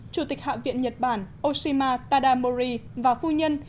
chủ tịch hạ viện nhật bản oshima tadamori và phu nhân